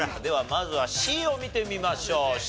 ではまずはＣを見てみましょう。